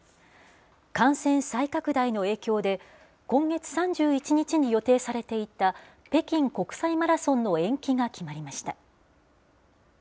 感染再拡大の影響で、今月３１日に予定されていた、北京国際マラソンの延期が決まりました。